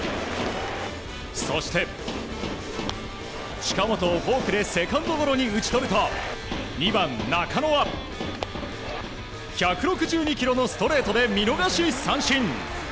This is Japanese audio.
そして、近本をフォークでセカンドゴロに打ち取ると２番、中野は１６２キロのストレートで見逃し三振。